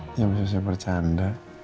saya bisa bersanda